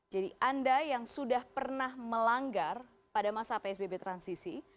jadi anda yang sudah pernah melanggar pada masa psbb transisi